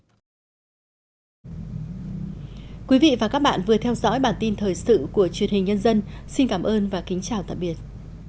các nhà nghiên cứu phát hiện sindenafil có liên quan tới việc các đứa trẻ mắc một căn bệnh về mạch máu trong phổi và làm tăng nguy cơ tử vong sau sinh